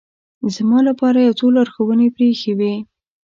زما لپاره یو څو لارښوونې پرې اېښې وې.